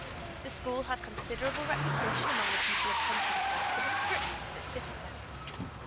The school had considerable reputation among the people of Tompkinsville for the strictness of its discipline.